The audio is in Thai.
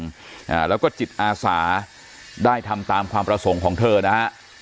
อ่าแล้วก็จิตอาสาได้ทำตามความประสงค์ของเธอนะฮะ